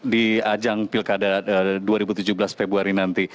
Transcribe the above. di ajang pilkada dua ribu tujuh belas februari nanti